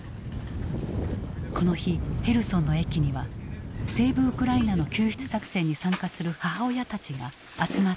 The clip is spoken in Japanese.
この日ヘルソンの駅にはセーブ・ウクライナの救出作戦に参加する母親たちが集まっていた。